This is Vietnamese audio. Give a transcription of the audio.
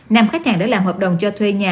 nam khách hàng đã làm hợp đồng cho thuê nhà